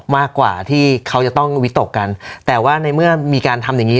มากกว่าที่เขาจะต้องวิตกกันแต่ว่าในเมื่อมีการทำอย่างงี้